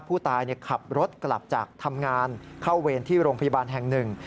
ผู้ตายขับรถกลับจากทำงานเข้าเวรที่โรงพยาบาลแห่งหนึ่ง